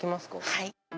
はい。